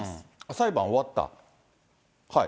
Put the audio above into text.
裁判終わった？